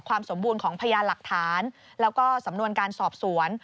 สมบูรณ์ของพยานหลักฐานแล้วก็สำนวนการสอบสวน